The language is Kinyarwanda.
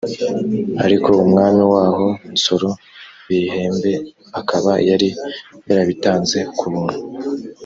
ariko umwami waho nsoro bihembe akaba yari yarabitanze ku buntu